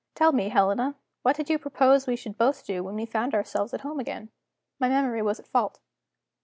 Tell me, Helena, what did you propose we should both do when we found ourselves at home again?" My memory was at fault.